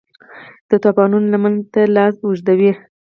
د توپانونو لمن ته لاس اوږدوي